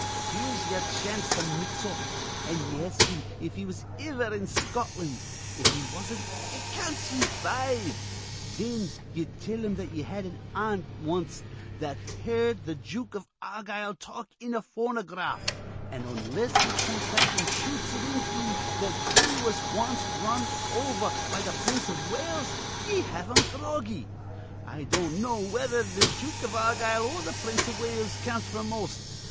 Here's yer chance to mix up, an' ye ask him if he was iver in Scotland. If he wasn't, it counts ye five. Thin ye tell him that ye had an aunt wanst that heerd th' Jook iv Argyle talk in a phonograph; an', onless he comes back an' shoots it into ye that he was wanst run over be th' Prince iv Wales, ye have him groggy. I don't know whether th' Jook iv Argyle or th' Prince iv Wales counts f'r most.